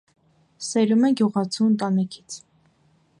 Սերում է գյուղացու ընտանիքից։